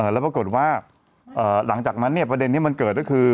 แล้วปรากฏว่าหลังจากนั้นประเด็นที่มันเกิดก็คือ